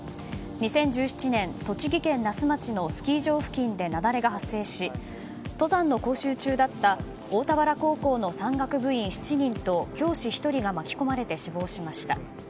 ２０１７年、栃木県那須町のスキー場付近で雪崩が発生し登山の講習中だった大田原高校の山岳部員７人と教師１人が巻き込まれて死亡しました。